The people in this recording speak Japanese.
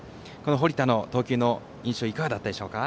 堀田の投球の印象はいかがだったでしょうか？